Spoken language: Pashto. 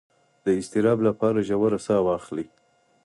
د اضطراب لپاره ژوره ساه واخلئ